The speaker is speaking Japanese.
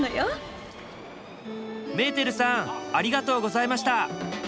メーテルさんありがとうございました！